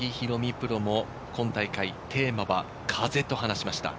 プロも今大会、テーマは「風」と話しました。